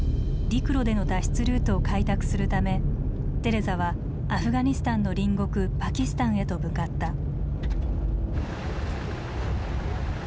陸路での脱出ルートを開拓するためテレザはアフガニスタンの隣国パキスタンへと向かった。